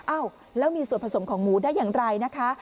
อ้าวแล้วมีส่วนผสมของหมูได้อย่างไรนะคะ